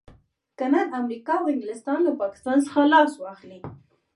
که نن امريکا او انګلستان له پاکستان څخه لاس واخلي.